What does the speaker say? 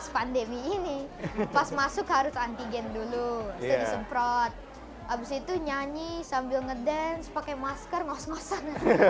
pas pandemi ini pas masuk harus antigen dulu saya disemprot abis itu nyanyi sambil ngedance pakai masker ngos ngosan